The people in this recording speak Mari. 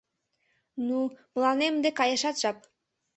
— Ну, мылам ынде каяшат жап.